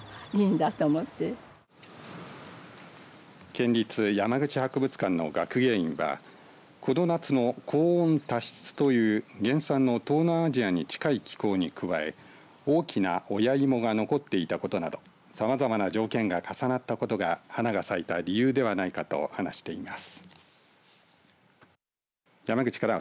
県立山口博物館の学芸員はこの夏の高温多湿という原産の東南アジアに近い気候に加え大きな親芋が残っていたことなどさまざまな条件が重なったことが花が咲いた理由ではないかと話しています。